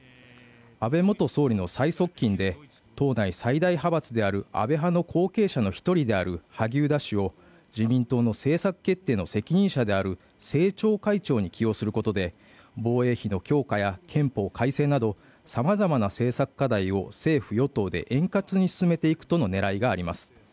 安倍元総理の最側近で党内最大派閥の安倍派の後継者である萩生田氏を責任者である政調会長に起用することで防衛費の強化や憲法改正などさまざまな政策課題を政府・与党で円滑に進めていくとの狙いがあります。